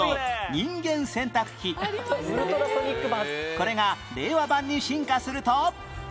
これが令和版に進化すると